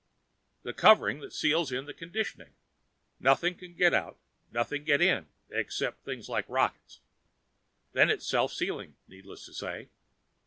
"The covering that seals in the conditioning. Nothing can get out, nothing get in except things like rockets. Then, it's self sealing, needless to say.